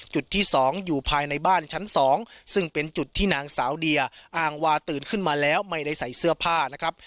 จุดที่๒อยู่ภายในบ้านชั้น๒ซึ่งเป็นจุดที่นางสาวเดียอ้างว่าตื่นขึ้นมาแล้วไม่ได้ใส่เสื้อผ้านะครับ